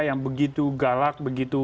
yang begitu galak begitu